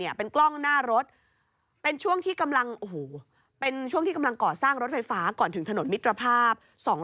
ในเพื่อนประชานุนไทยก็จะปลูกไปกัน